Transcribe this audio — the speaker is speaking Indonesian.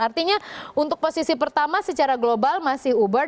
artinya untuk posisi pertama secara global masih uber